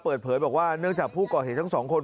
เปิดเผยบอกว่าเนื่องจากผู้ก่อเหตุทั้งสองคน